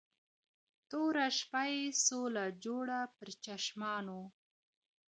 توره شپه يې سوله جوړه پر چشمانو